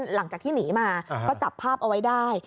หลังจากที่หนีมาก็จับภาพเอาไว้ได้